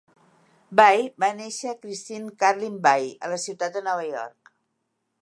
Bay va néixer a Kristine Carlin Bay, a la ciutat de Nova York.